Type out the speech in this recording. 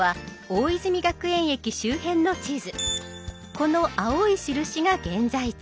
この青い印が現在地